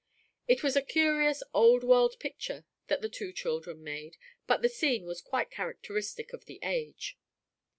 It was a curious, old world picture that the two children made, but the scene was quite characteristic of the age.